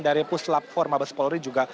dari puslap empat mabes polri juga